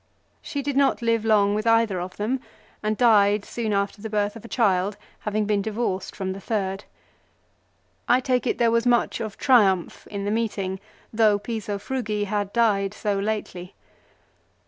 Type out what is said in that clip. She did not live long with either of them, and died soon after the birth of a child, having been divorced from the third. I take it there was much of triumph in the meeting, though Piso Frugi had died so lately.